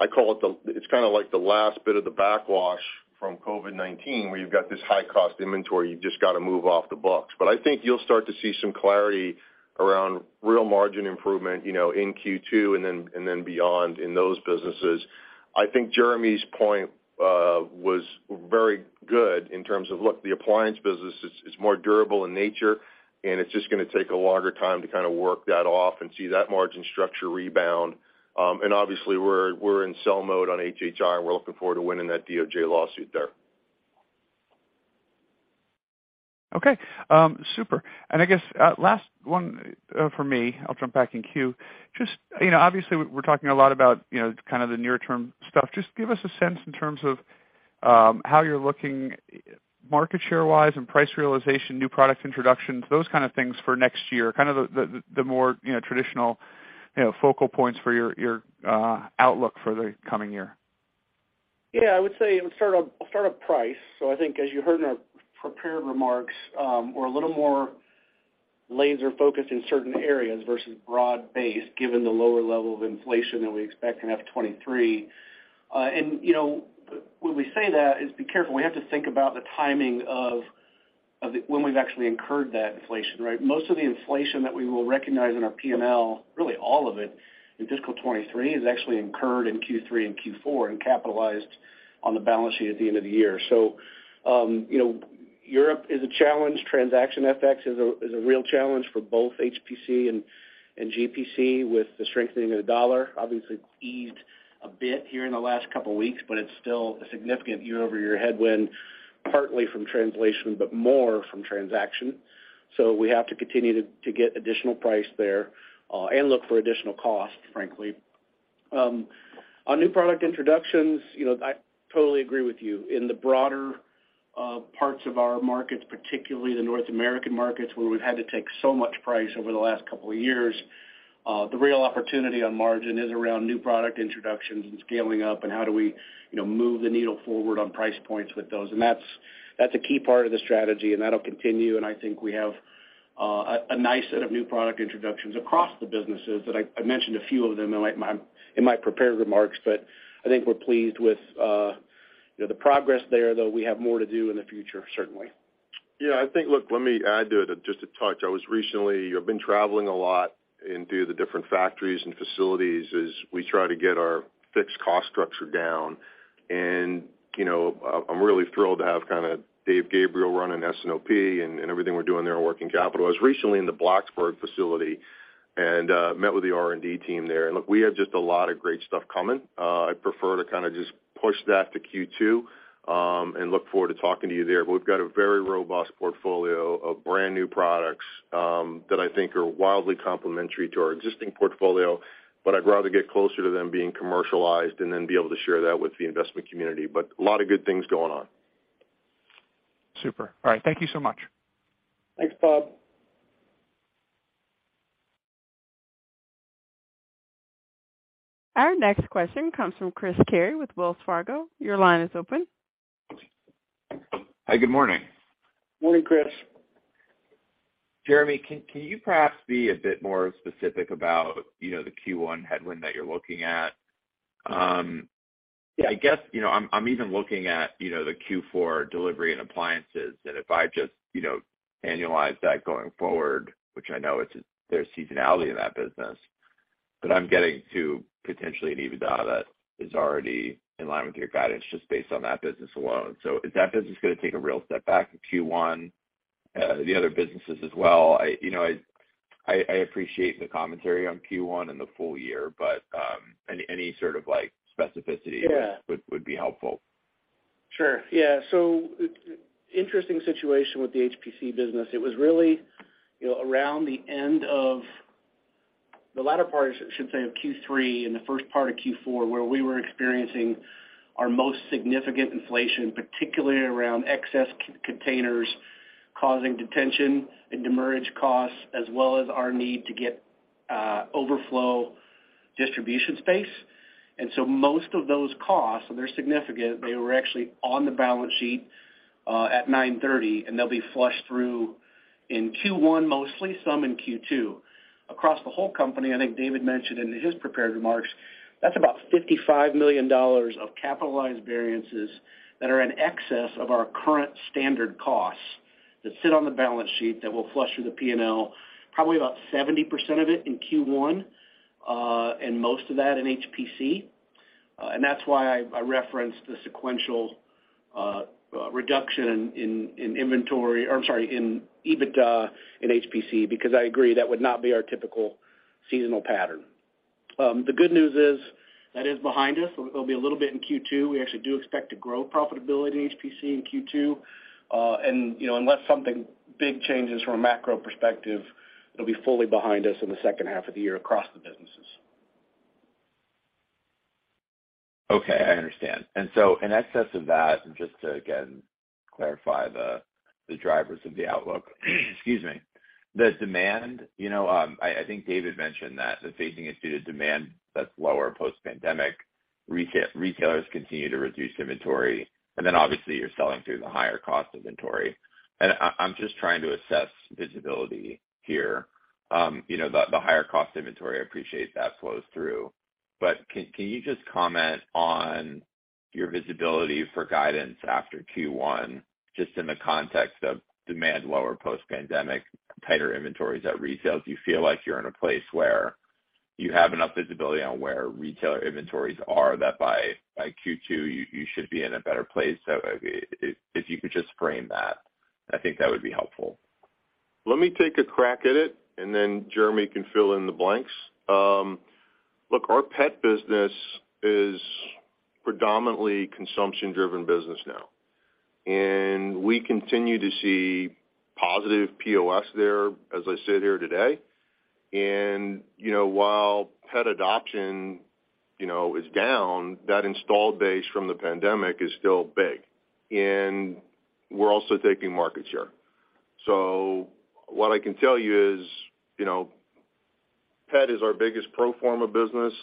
it's kind of like the last bit of the backwash from COVID-19, where you've got this high-cost inventory you've just gotta move off the books. I think you'll start to see some clarity around real margin improvement, you know, in Q2 and then beyond in those businesses. I think Jeremy's point was very good in terms of, look, the appliance business is more durable in nature, and it's just gonna take a longer time to kind of work that off and see that margin structure rebound. Obviously we're in sell mode on HHI, and we're looking forward to winning that DOJ lawsuit there. Okay. Super. I guess, last one from me, I'll jump back in queue. Just, you know, obviously we're talking a lot about, you know, kind of the near-term stuff. Just give us a sense in terms of how you're looking market share-wise and price realization, new product introductions, those kind of things for next year, kind of the more, you know, traditional, you know, focal points for your outlook for the coming year. Yeah, I would say I'll start on price. I think as you heard in our prepared remarks, we're a little more laser-focused in certain areas versus broad-based, given the lower level of inflation that we expect in [FY 2023]. You know, when we say that is be careful. We have to think about the timing of when we've actually incurred that inflation, right? Most of the inflation that we will recognize in our P&L, really all of it in fiscal 2023, is actually incurred in Q3 and Q4 and capitalized on the balance sheet at the end of the year. You know, Europe is a challenge. Transaction FX is a real challenge for both HPC and GPC with the strengthening of the dollar. Obviously, it's eased a bit here in the last couple weeks, but it's still a significant year-over-year headwind, partly from translation, but more from transaction. We have to continue to get additional price there and look for additional costs, frankly. On new product introductions, you know, I totally agree with you. In the broader parts of our markets, particularly the North American markets where we've had to take so much price over the last couple of years, the real opportunity on margin is around new product introductions and scaling up and how do we, you know, move the needle forward on price points with those. That's a key part of the strategy, and that'll continue. I think we have a nice set of new product introductions across the businesses that I mentioned a few of them in my prepared remarks. I think we're pleased with, you know, the progress there, though we have more to do in the future, certainly. Yeah. I think, look, let me add to it, just to touch. I've been traveling a lot and through the different factories and facilities as we try to get our fixed cost structure down. You know, I'm really thrilled to have kinda David Gabriel running S&OP and everything we're doing there on working capital. I was recently in the Blacksburg facility and met with the R&D team there. Look, we have just a lot of great stuff coming. I prefer to kind of just push that to Q2 and look forward to talking to you there. We've got a very robust portfolio of brand-new products that I think are wildly complementary to our existing portfolio, but I'd rather get closer to them being commercialized and then be able to share that with the investment community. A lot of good things going on. Super. All right. Thank you so much. Thanks, Bob. Our next question comes from Chris Carey with Wells Fargo. Your line is open. Hi. Good morning. Morning, Chris. Jeremy, can you perhaps be a bit more specific about, you know, the Q1 headwind that you're looking at? Yeah, I guess, you know, I'm even looking at, you know, the Q4 delivery and appliances that if I just, you know, annualize that going forward, which I know there's seasonality in that business, but I'm getting to potentially an EBITDA that is already in line with your guidance just based on that business alone. Is that business gonna take a real step back in Q1? The other businesses as well. I, you know, I appreciate the commentary on Q1 and the full year, but any sort of like specificity? Yeah Would be helpful. Sure. Yeah. Interesting situation with the HPC business. It was really, you know, around the end of the latter part, I should say, of Q3 and the first part of Q4, where we were experiencing our most significant inflation, particularly around excess containers causing detention and demurrage costs, as well as our need to get overflow distribution space. Most of those costs, and they're significant, they were actually on the balance sheet at 9/30, and they'll be flushed through in Q1, mostly some in Q2. Across the whole company, I think David mentioned in his prepared remarks, that's about $55 million of capitalized variances that are in excess of our current standard costs that sit on the balance sheet that will flush through the P&L, probably about 70% of it in Q1, and most of that in HPC. That's why I referenced the sequential reduction in EBITDA in HPC, because I agree that would not be our typical seasonal pattern. The good news is that is behind us. It'll be a little bit in Q2. We actually do expect to grow profitability in HPC in Q2. You know, unless something big changes from a macro perspective, it'll be fully behind us in the second half of the year across the businesses. Okay. I understand. In excess of that, just to again clarify the drivers of the outlook, excuse me. The demand, you know, I think David mentioned that the phasing is due to demand that's lower post-pandemic. Retailers continue to reduce inventory. Obviously you're selling through the higher cost inventory. I'm just trying to assess visibility here. You know, the higher cost inventory, I appreciate that flows through. Can you just comment on your visibility for guidance after Q1, just in the context of demand lower post-pandemic, tighter inventories at retail? Do you feel like you're in a place where you have enough visibility on where retailer inventories are that by Q2, you should be in a better place? If you could just frame that, I think that would be helpful. Let me take a crack at it, and then Jeremy can fill in the blanks. Look, our pet business is predominantly consumption-driven business now, and we continue to see positive POS there as I sit here today. You know, while pet adoption, you know, is down, that installed base from the pandemic is still big, and we're also taking market share. What I can tell you is, you know, pet is our biggest pro forma business.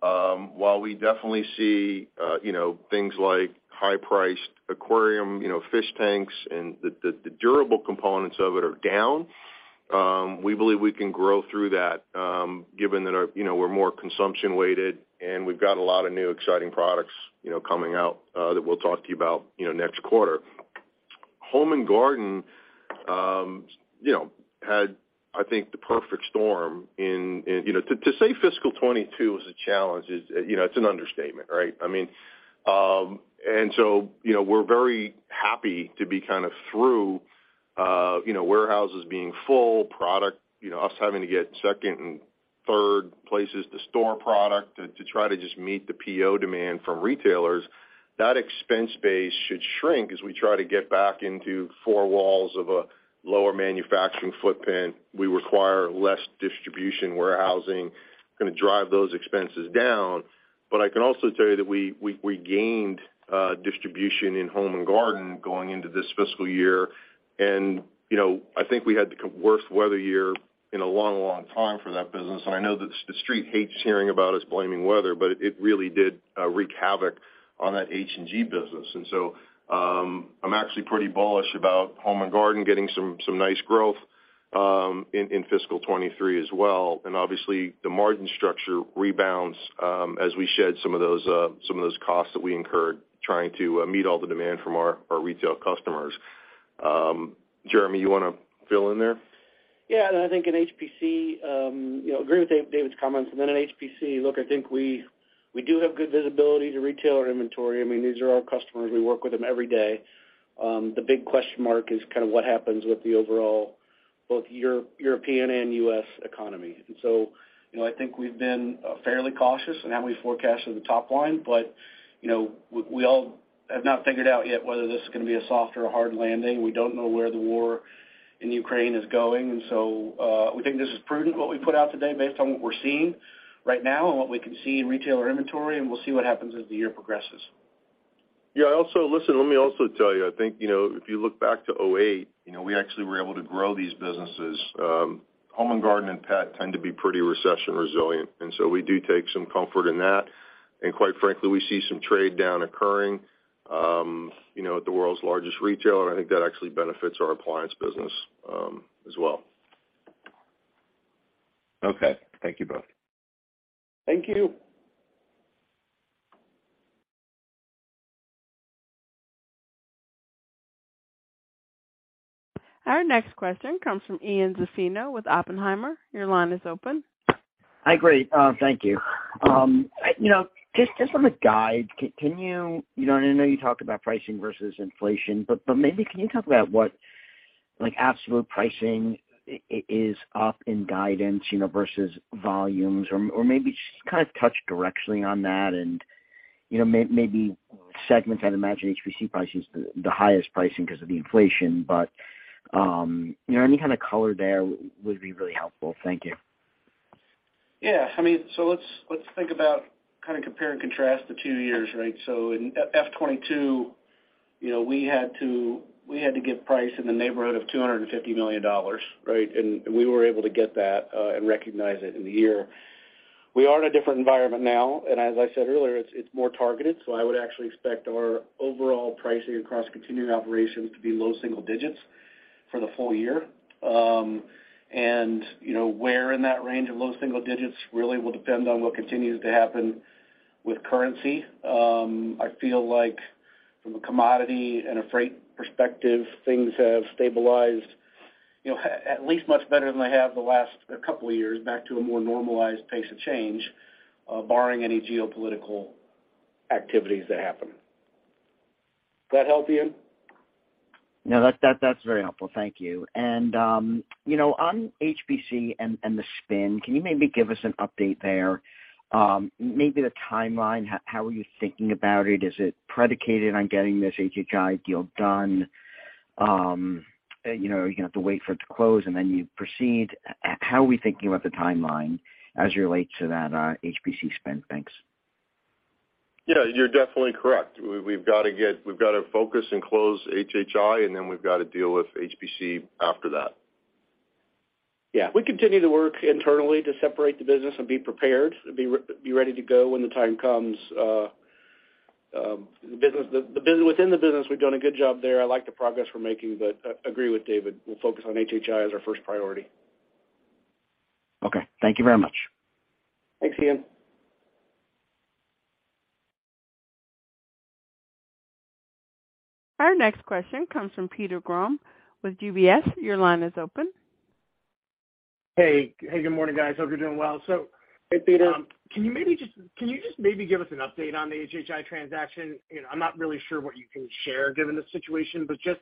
While we definitely see, you know, things like high-priced aquarium, you know, fish tanks and the durable components of it are down, we believe we can grow through that, given that, you know, we're more consumption-weighted, and we've got a lot of new exciting products, you know, coming out that we'll talk to you about, you know, next quarter. Home and Garden, you know, had, I think, the perfect storm in. You know, to say fiscal 2022 was a challenge is, you know, it's an understatement, right? I mean, you know, we're very happy to be kind of through, you know, warehouses being full, product, you know, us having to get second and third places to store product to try to just meet the P.O. demand from retailers. That expense base should shrink as we try to get back into four walls of a lower manufacturing footprint. We require less distribution warehousing, gonna drive those expenses down. I can also tell you that we gained distribution in Home and Garden going into this fiscal year. You know, I think we had the worst weather year in a long time for that business. I know that the Street hates hearing about us blaming weather, but it really did wreak havoc on that H&G business. I'm actually pretty bullish about Home & Garden getting some nice growth in fiscal 2023 as well. Obviously, the margin structure rebounds as we shed some of those costs that we incurred trying to meet all the demand from our retail customers. Jeremy, you wanna fill in there? Yeah. I think in HPC, you know, agree with David's comments. In HPC, look, I think we do have good visibility to retailer inventory. I mean, these are our customers. We work with them every day. The big question mark is kind of what happens with the overall both European and U.S. economy. You know, I think we've been fairly cautious in how we forecasted the top line. You know, we all have not figured out yet whether this is gonna be a soft or a hard landing. We don't know where the war in Ukraine is going. We think this is prudent, what we put out today based on what we're seeing right now and what we can see in retailer inventory, and we'll see what happens as the year progresses. Yeah. Also, listen, let me also tell you, I think, you know, if you look back to 2008, you know, we actually were able to grow these businesses. Home & Garden and Pet tend to be pretty recession resilient, and so we do take some comfort in that. Quite frankly, we see some trade down occurring, you know, at the world's largest retailer. I think that actually benefits our appliance business as well. Okay. Thank you both. Thank you. Our next question comes from Ian Zaffino with Oppenheimer. Your line is open. Hi. Great. Thank you. You know, just on the guide, you know, I know you talked about pricing versus inflation, but maybe can you talk about what, like, absolute pricing is up in guidance, you know, versus volumes? Maybe just kind of touch directly on that and, you know, maybe segments. I'd imagine HPC pricing is the highest pricing 'cause of the inflation. You know, any kind of color there would be really helpful. Thank you. Yeah, I mean, let's think about kind of compare and contrast the two years, right? In FY 2022, you know, we had to give price in the neighborhood of $250 million, right? We were able to get that and recognize it in the year. We are in a different environment now, and as I said earlier, it's more targeted, so I would actually expect our overall pricing across continuing operations to be low single digits for the full year. You know, where in that range of low single digits really will depend on what continues to happen with currency. I feel like from a commodity and a freight perspective, things have stabilized, you know, at least much better than they have the last couple of years back to a more normalized pace of change, barring any geopolitical activities that happen. That help, Ian? No, that's very helpful. Thank you. You know, on HPC and the spin, can you maybe give us an update there? Maybe the timeline, how are you thinking about it? Is it predicated on getting this HHI deal done? You know, are you gonna have to wait for it to close, and then you proceed? How are we thinking about the timeline as it relates to that HPC spin? Thanks. Yeah, you're definitely correct. We've gotta focus and close HHI, and then we've gotta deal with HPC after that. Yeah. We continue to work internally to separate the business and be prepared and be ready to go when the time comes. Within the business, we've done a good job there. I like the progress we're making, but agree with David. We'll focus on HHI as our first priority. Okay. Thank you very much. Thanks, Ian. Our next question comes from Peter Grom with UBS. Your line is open. Hey, good morning, guys. Hope you're doing well. Hey, Peter. Can you just maybe give us an update on the HHI transaction? You know, I'm not really sure what you can share given the situation, but just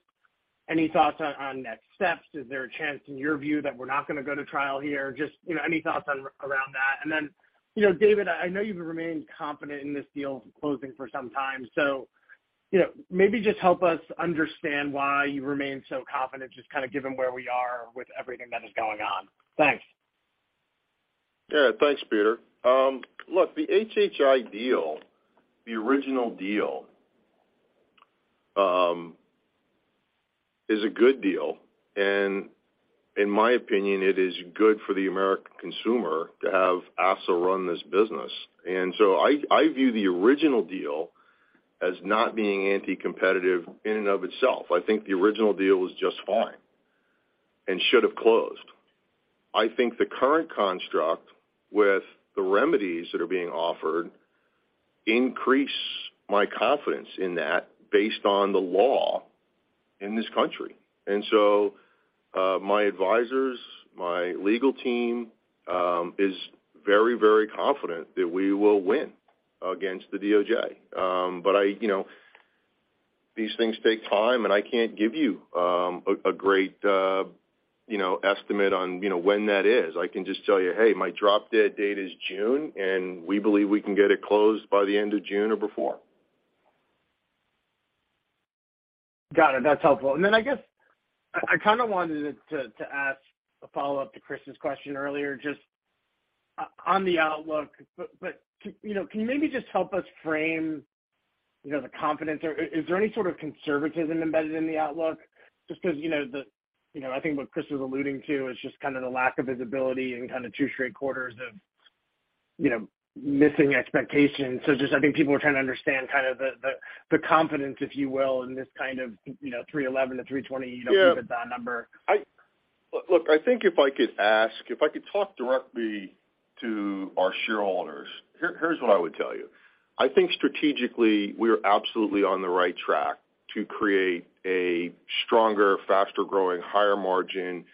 any thoughts on next steps. Is there a chance in your view that we're not gonna go to trial here? Just, you know, any thoughts around that. You know, David, I know you've remained confident in this deal closing for some time, so, you know, maybe just help us understand why you remain so confident, just kinda given where we are with everything that is going on. Thanks. Yeah. Thanks, Peter. Look, the HHI deal, the original deal is a good deal. In my opinion, it is good for the American consumer to have ASSA run this business. I view the original deal as not being anti-competitive in and of itself. I think the original deal was just fine and should have closed. I think the current construct with the remedies that are being offered increase my confidence in that based on the law in this country. My advisors, my legal team is very confident that we will win against the DOJ. You know, these things take time, and I can't give you a great, you know, estimate on, you know, when that is. I can just tell you, hey, my drop-dead date is June, and we believe we can get it closed by the end of June or before. Got it. That's helpful. I guess I kinda wanted to ask a follow-up to Chris's question earlier, just on the outlook. Can you maybe just help us frame, you know, the confidence? Is there any sort of conservatism embedded in the outlook? Just 'cause, you know, I think what Chris was alluding to is just kind of the lack of visibility and kind of two straight quarters of, you know, missing expectations. Just I think people are trying to understand kind of the confidence, if you will, in this kind of, you know, $311-$320, you know, EBITDA number. Yeah. Look, I think if I could talk directly to our shareholders, here's what I would tell you. I think strategically we're absolutely on the right track to create a stronger, faster-growing, higher-margin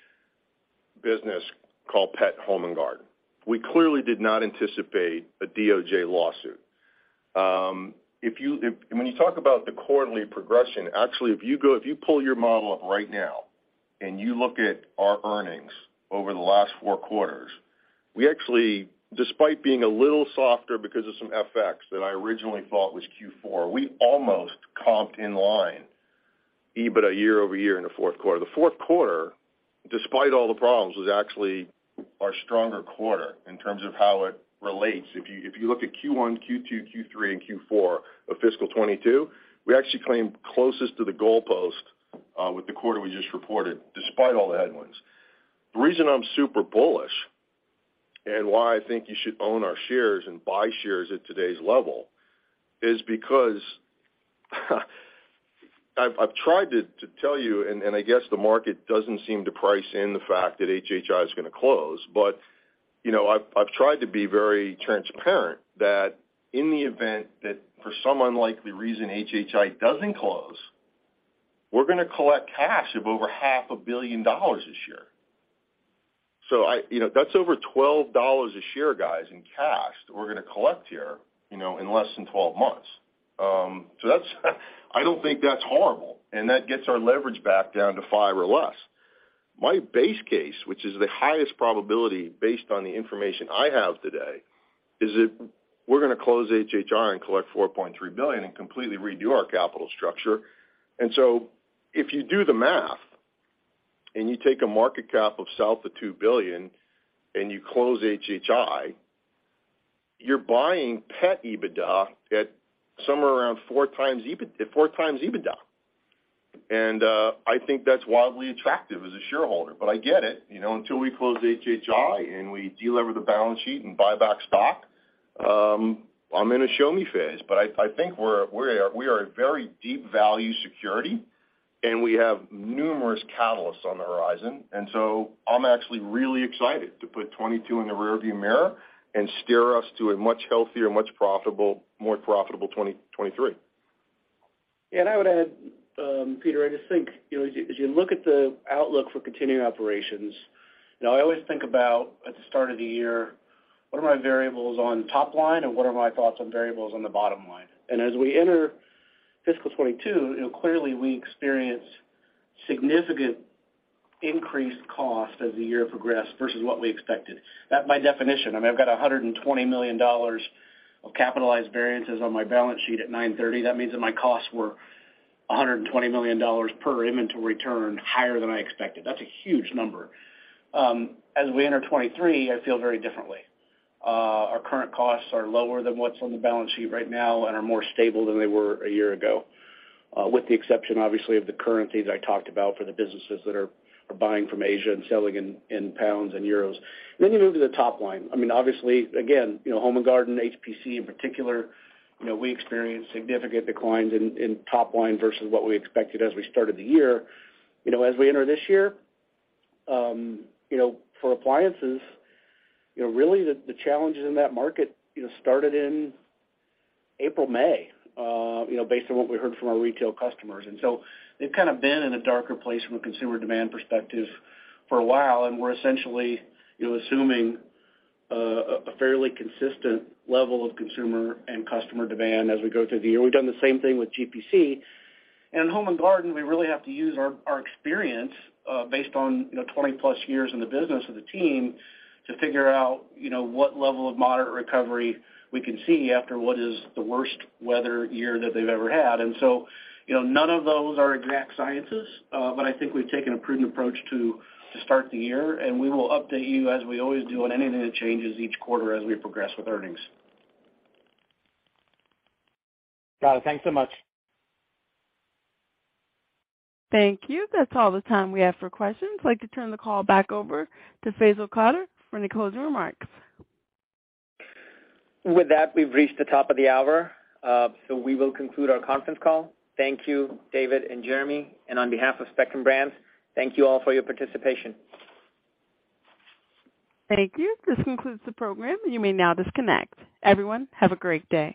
business called Pet, Home & Garden. We clearly did not anticipate a DOJ lawsuit. When you talk about the quarterly progression, actually, if you pull your model up right now and you look at our earnings over the last four quarters, we actually, despite being a little softer because of some FX that I originally thought was Q4, we almost comped in line EBIT year-over-year in the fourth quarter. The fourth quarter, despite all the problems, was actually our stronger quarter in terms of how it relates. If you look at Q1, Q2, Q3, and Q4 of fiscal 2022, we actually came closest to the goalpost with the quarter we just reported, despite all the headwinds. The reason I'm super bullish and why I think you should own our shares and buy shares at today's level is because I've tried to tell you, and I guess the market doesn't seem to price in the fact that HHI is gonna close. You know, I've tried to be very transparent that in the event that for some unlikely reason HHI doesn't close, we're gonna collect cash of over half a billion dollars this year. You know, that's over $12 a share, guys, in cash that we're gonna collect here, you know, in less than 12 months. I don't think that's horrible, and that gets our leverage back down to five or less. My base case, which is the highest probability based on the information I have today, is that we're gonna close HHI and collect $4.3 billion and completely redo our capital structure. If you do the math, and you take a market cap of south of $2 billion and you close HHI, you're buying Pet EBITDA at somewhere around 4x EBITDA. I think that's wildly attractive as a shareholder. I get it, you know, until we close HHI and we de-lever the balance sheet and buy back stock, I'm in a show-me phase. I think we are a very deep value security, and we have numerous catalysts on the horizon. I'm actually really excited to put 2022 in the rearview mirror and steer us to a much healthier, more profitable 2023. Yeah, I would add, Peter, I just think, you know, as you look at the outlook for continuing operations, you know, I always think about at the start of the year, what are my variables on top line and what are my thoughts on variables on the bottom line? As we enter fiscal 2022, you know, clearly we experienced significant increased cost as the year progressed versus what we expected. That by definition, I mean, I've got $120 million of capitalized variances on my balance sheet at 9/30. That means that my costs were $120 million per inventory turn higher than I expected. That's a huge number. As we enter 2023, I feel very differently. Our current costs are lower than what's on the balance sheet right now and are more stable than they were a year ago, with the exception, obviously, of the currencies I talked about for the businesses that are buying from Asia and selling in pounds and euros. You move to the top line. I mean, obviously, again, you know, Home & Garden, HPC in particular, you know, we experienced significant declines in top line versus what we expected as we started the year. You know, as we enter this year, you know, for appliances, you know, really the challenges in that market, you know, started in April/May, you know, based on what we heard from our retail customers. They've kind of been in a darker place from a consumer demand perspective for a while, and we're essentially, you know, assuming a fairly consistent level of consumer and customer demand as we go through the year. We've done the same thing with GPC. Home & Garden, we really have to use our experience based on, you know, 20-plus years in the business of the team to figure out, you know, what level of moderate recovery we can see after what is the worst weather year that they've ever had. You know, none of those are exact sciences, but I think we've taken a prudent approach to start the year, and we will update you, as we always do, on anything that changes each quarter as we progress with earnings. Got it. Thanks so much. Thank you. That's all the time we have for questions. I'd like to turn the call back over to Faisal Qadir for any closing remarks. With that, we've reached the top of the hour, so we will conclude our conference call. Thank you, David and Jeremy. On behalf of Spectrum Brands, thank you all for your participation. Thank you. This concludes the program. You may now disconnect. Everyone, have a great day.